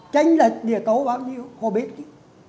tránh lệch địa tố bao nhiêu họ biết chứ